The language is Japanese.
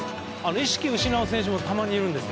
意識を失う選手もたまにいるんです。